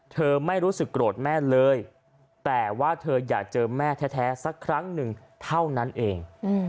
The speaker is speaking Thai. ไม่รู้สึกโกรธแม่เลยแต่ว่าเธออยากเจอแม่แท้สักครั้งหนึ่งเท่านั้นเอง